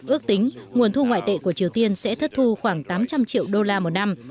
ước tính nguồn thu ngoại tệ của triều tiên sẽ thất thu khoảng tám trăm linh triệu đô la một năm